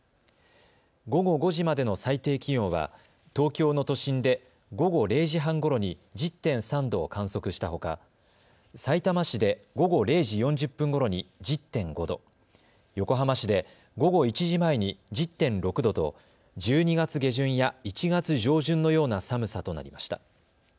午後５時までの最低気温は東京の都心で午後０時半ごろに１０．３度を観測したほかさいたま市で午後０時４０分ごろに１０．５度、横浜市で午後１時前に１０．６度と１２月下旬や１月上旬のような寒さとなりました。